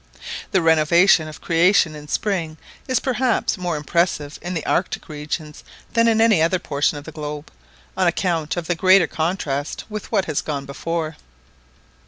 The renovation of creation in spring is perhaps more impressive in the Arctic regions than in any other portion of the globe, on account of the greater contrast with what has gone before.